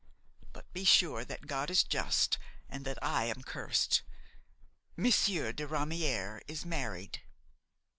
But be sure that God is just and that I am cursed. Monsieur de Ramière is married."